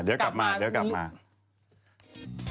จากกระแสของละครกรุเปสันนิวาสนะฮะ